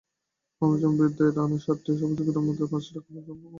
কামারুজ্জামানের বিরুদ্ধে আনা সাতটি অভিযোগের মধ্যে পাঁচটি রাষ্ট্রপক্ষ প্রমাণ করতে পেরেছে।